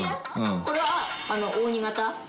これは扇型。